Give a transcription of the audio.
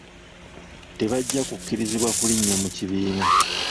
Tebajja kukkirizibwa kulinnya mu kibiina.